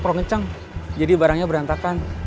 perlengceng jadi barangnya berantakan